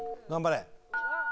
頑張れ。